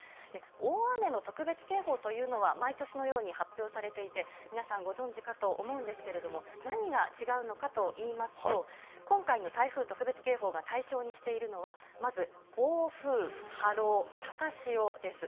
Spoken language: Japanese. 大雨の特別警報というのは、毎年のように発表されていて、皆さん、ご存じかと思うんですけれども、何が違うのかといいますと、今回の台風特別警報が対象にしているのは、まず暴風、波浪、高潮です。